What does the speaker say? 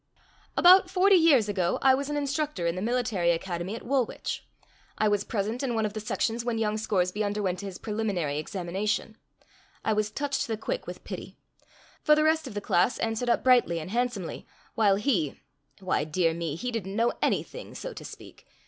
About forty years ago I was an instructor in the military academy at Woolwich. I was present in one of the sections when young Scoresby underwent his preliminary examination. I was touched to the quick with pity; for the rest of the class answered up brightly and handsomely, while he—why, dear me, he didn't know anything, so to speak.